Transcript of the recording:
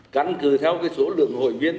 cắn cử theo cái số lượng hội viên